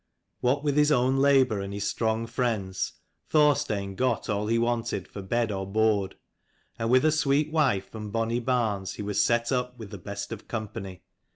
What with his own labour and his strong friends, Thorstein got all he wanted for bed or board : and with a sweet wife and bonny barns he was set up with the best of company.